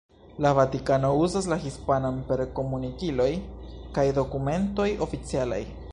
La Vatikano uzas la hispanan per komunikiloj kaj dokumentoj oficialaj.